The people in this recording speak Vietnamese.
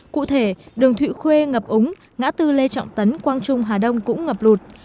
cụ thể đường thụy khuê ngập ống ngã tư lê trọng tấn quang trung hà đông cũng ngập lụt